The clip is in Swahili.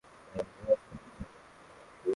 Alicheza nafasi ya mstari wa mbele kushoto Inside left